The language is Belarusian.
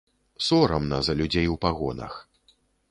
Сорамна за людзей у пагонах.